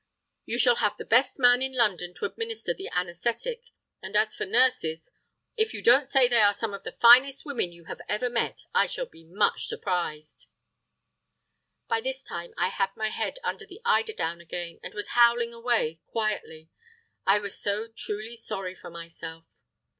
You shall have the best man in London to administer the anæsthetic; and as for nurses—well, if you don't say they are some of the finest women you have ever met, I shall be much surprised." By this time I had my head under the eiderdown again, and was howling away (quietly). I was so truly sorry for myself!